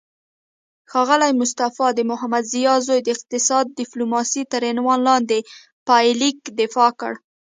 ښاغلی مصطفی د محمدضیا زوی د اقتصادي ډیپلوماسي تر عنوان لاندې پایلیک دفاع وکړه